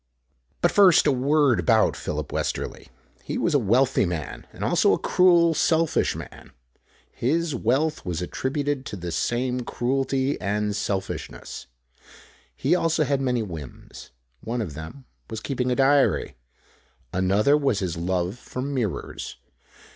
But first a word about Philip Westerly. He was a wealthy man, and also a cruel, selfish man. His wealth was attributed to this same cruelty and selfishness. He also had many whims. One of them was keeping a diary. Another was his love for mirrors.